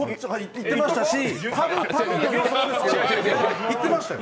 言ってましたよ。